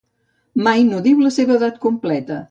Mai no diu la seva edat completa.